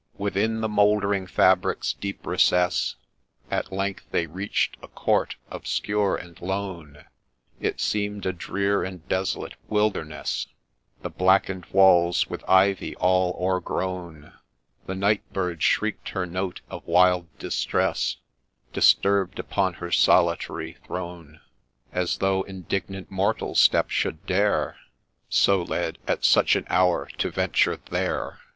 Within the mouldering fabric's deep recess At length they reach a court obscure and lone ;— It seem'd a drear and desolate wilderness, The blacken'd walls with ivy all o'ergrown ; The night bird shriek'd her note of wild distress, Disturb'd upon her solitary throne, As though indignant mortal step should dare, So led, at such an hour, to venture there